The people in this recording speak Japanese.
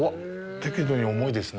適度に重いですね。